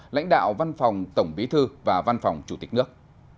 lãnh đạo văn phòng tổng bí thư và văn phòng chủ tịch nước